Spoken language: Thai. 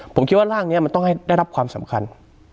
ผมคิดว่าร่างนี้มันต้องให้ได้รับความสำคัญ